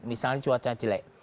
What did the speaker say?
misalnya cuacanya jelek